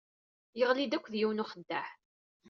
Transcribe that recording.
Yeɣli-d akked yiwen n uxeddaɛ.